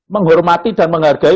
menghormati dan menghargai